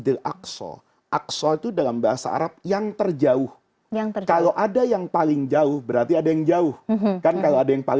delapan dhul hijjah tahun depan